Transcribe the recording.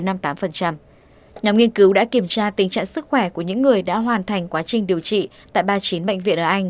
nhóm nghiên cứu đã kiểm tra tình trạng sức khỏe của những người đã hoàn thành quá trình điều trị tại ba mươi chín bệnh viện ở anh